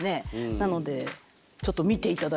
なのでちょっと見ていただいて。